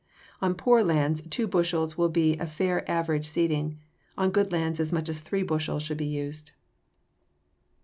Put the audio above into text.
On poor lands two bushels will be a fair average seeding; on good lands as much as three bushels should be used.